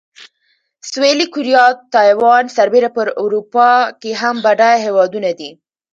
سویلي کوریا او تایوان سربېره په اروپا کې هم بډایه هېوادونه دي.